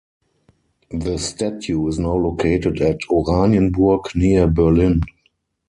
The statue is now located at Oranienburg near Berlin.